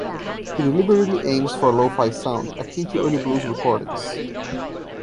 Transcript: He deliberately aims for a lo-fi sound, akin to early blues recordings.